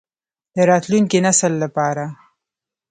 د راتلونکي نسل لپاره.